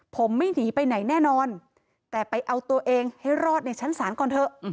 ผมไม่หนีไปไหนแน่นอนแต่ไปเอาตัวเองให้รอดในชั้นศาลก่อนเถอะ